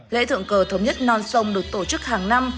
lễ thượng cờ thống nhất non sông được tổ chức hàng năm